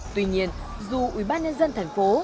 tuy nhiên dù ủy ban nhân dân thành phố